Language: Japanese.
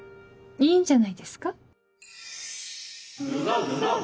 いいんじゃないですか。